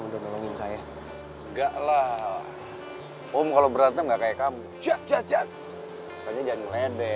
tidak ada yang berterima kasih sama kamu